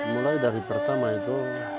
mulai dari pertama itu